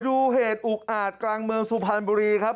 ดูเหตุอุกอาจกลางเมืองสุพรรณบุรีครับ